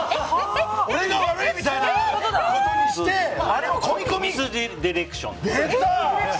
俺が悪いみたいなことにしてミスディレクション。